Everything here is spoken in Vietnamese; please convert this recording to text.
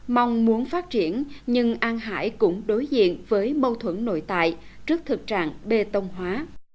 mong muốn phát triển nhưng an hải cũng đối diện với mâu thuẫn nội tại trước thực trạng bê tông hóa